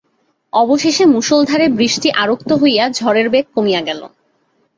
অবশেষে মুষলধারে বৃষ্টি আরক্ত হইয়া ঝড়ের বেগ কমিয়া গেল।